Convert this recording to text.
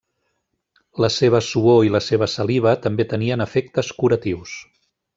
La seva suor i la seva saliva també tenien efectes curatius.